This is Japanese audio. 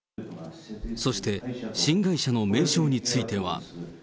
そして、新会社の名称については。